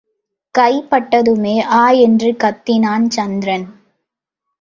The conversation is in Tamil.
கைப்பட்டதுமே, ஆ என்று கத்தினான் சந்திரன்.